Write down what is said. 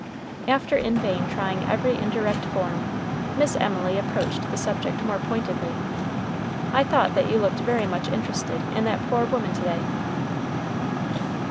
After in vain trying every indirect form, Miss Emily approached the subject more pointedly. "I thought that you looked very much interested in that poor woman to day."